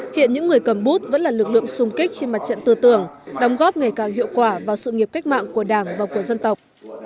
hiện những người cầm bút vẫn là lực lượng xung kích trên mặt trận tư tưởng đóng góp ngày càng hiệu quả vào sự nghiệp cách mạng của đảng và của dân tộc